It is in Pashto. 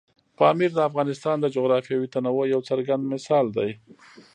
پامیر د افغانستان د جغرافیوي تنوع یو څرګند مثال دی.